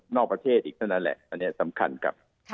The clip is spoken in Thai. ประเทศอีกเท่านั้นแหละอันนี้สำคัญกับ